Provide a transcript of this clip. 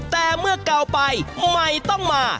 แต่เมื่อกลัวไปไม่ต้องมา